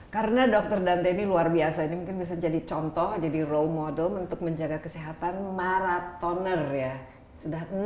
karena dr dante ini luar biasa ini mungkin bisa jadi contoh jadi role model untuk menjaga kesehatan maratoner ya sudah enam kali maraton